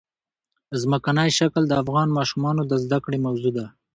ځمکنی شکل د افغان ماشومانو د زده کړې موضوع ده.